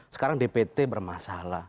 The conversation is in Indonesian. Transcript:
sekarang dpt bermasalah